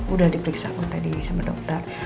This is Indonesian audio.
udah diperiksa aku tadi sama dokter